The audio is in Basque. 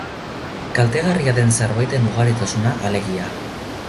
Kaltegarria den zerbaiten ugaritasuna, alegia.